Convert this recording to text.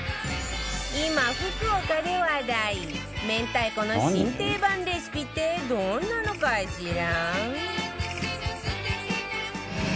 今福岡で話題明太子の新定番レシピってどんなのかしら？